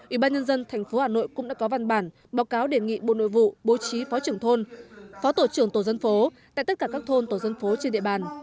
ủy ban nhân dân tp hà nội cũng đã có văn bản báo cáo đề nghị bộ nội vụ bố trí phó trưởng thôn phó tổ trưởng tổ dân phố tại tất cả các thôn tổ dân phố trên địa bàn